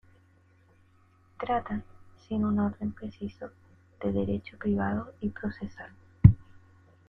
Tratan, sin un orden preciso, de derecho privado y procesal.